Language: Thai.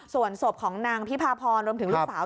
ส่วนศพของนางพิพาพรรวมถึงลูกสาว